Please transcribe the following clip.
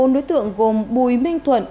bốn đối tượng gồm bùi minh thuận